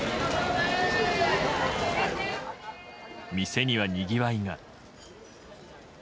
店にはにぎわいが。